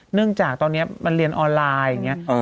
เนื่องจากตอนนี้มันเรียนออนไลน์อย่างนี้